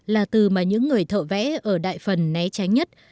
là từ mà những người thợ vẽ ở đại phần né tránh nhất